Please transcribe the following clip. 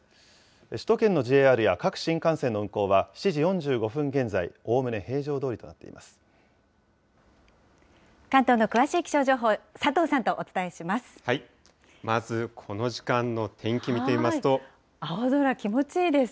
首都圏のＪＲや各新幹線の運行は、７時４５分現在、おおむね平常どおりとなっています。